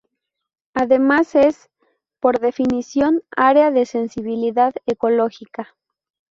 Además es, por definición, área de sensibilidad ecológica.